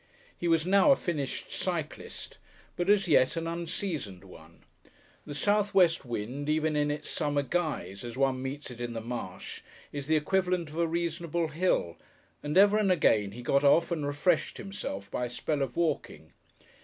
He was now a finished cyclist, but as yet an unseasoned one; the southwest wind, even in its summer guise, as one meets it in the Marsh, is the equivalent of a reasonable hill, and ever and again he got off and refreshed himself by a spell of walking.